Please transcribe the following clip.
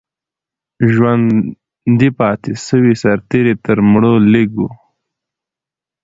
ژوندي پاتې سوي سرتیري تر مړو لږ وو.